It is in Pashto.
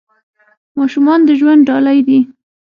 ماشومان د ژوند ډالۍ دي .